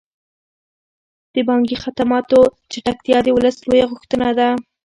د بانکي خدماتو چټکتیا د ولس لویه غوښتنه ده.